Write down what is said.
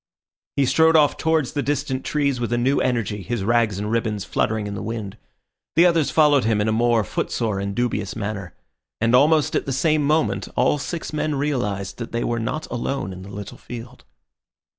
He strode off towards the distant trees with a new energy, his rags and ribbons fluttering in the wind. The others followed him in a more footsore and dubious manner. And almost at the same moment all six men realised that they were not alone in the little field.